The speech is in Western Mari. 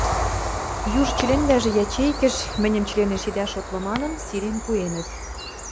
Юж членвлӓжӹ ячейкӹш, мӹньӹм членеш идӓ шотлы манын, сирен пуэнӹт.